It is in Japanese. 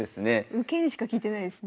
受けにしか利いてないですね。